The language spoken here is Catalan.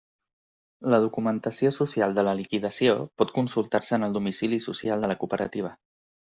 La documentació social de la liquidació pot consultar-se en el domicili social de la cooperativa.